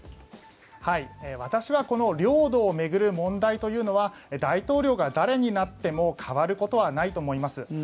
私はこの領土を巡る問題というのは大統領が誰になっても変わることはないと思います。